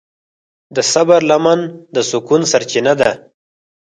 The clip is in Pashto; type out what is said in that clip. د صبر لمن د سکون سرچینه ده.